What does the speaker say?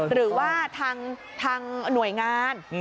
หรือว่าทางหน่วยงาน